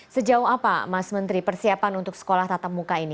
sejauh apa mas menteri persiapan untuk sekolah tatap muka ini